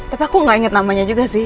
tapi aku gak inget namanya juga sih